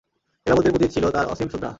খেলাফতের প্রতি ছিল তার অসীম শ্রদ্ধা।